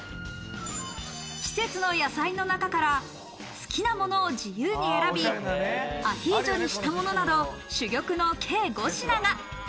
季節の野菜の中から好きなものを自由に選び、アヒージョにしたものなど珠玉の計５品が。